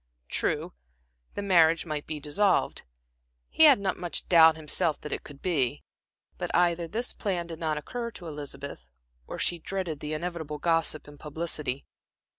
True, the marriage might be dissolved he had not much doubt himself that it could be; but either this plan did not occur to Elizabeth, or she dreaded the inevitable gossip and publicity.